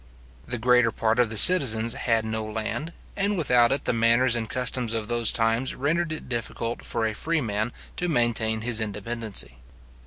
The greater part of the citizens had no land; and without it the manners and customs of those times rendered it difficult for a freeman to maintain his independency.